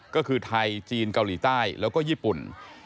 ก็คือไทยจีนเกาหลีใต้แล้วก็ญี่ปุ่น